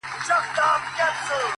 له يوه كال راهيسي!!